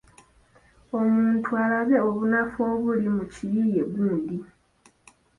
Omuntu alabe obunafu obuli mu kiyiiye gundi.